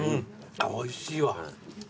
おいしいわ。